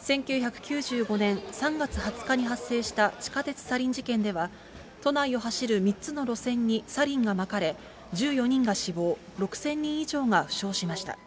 １９９５年３月２０日に発生した地下鉄サリン事件では、都内を走る３つの路線にサリンがまかれ、１４人が死亡、６０００人以上が負傷しました。